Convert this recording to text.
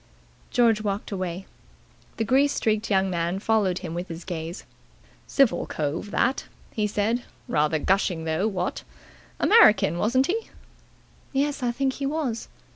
George walked away. The grease streaked young man followed him with his gaze. "Civil cove, that," he said. "Rather gushing though, what? American, wasn't he?" "Yes. I think he was."